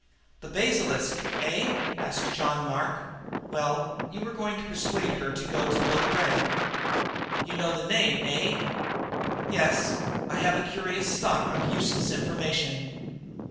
"The basilisk, eh?" asked John Mark. "Well, you are going to persuade her to go to Bill Gregg?" "You know the name, eh?" "Yes, I have a curious stock of useless information."